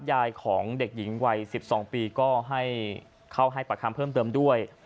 ยายของเด็กหญิงวัย๑๒ปีก็ให้เข้าให้ปากคำเพิ่มเติมด้วย